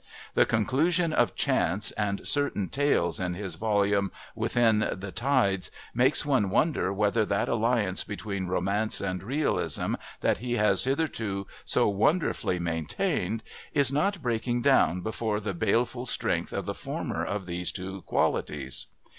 The conclusion of Chance and certain tales in his volume, Within the Tides, make one wonder whether that alliance between romance and realism that he has hitherto so wonderfully maintained is not breaking down before the baleful strength of the former of these two qualities.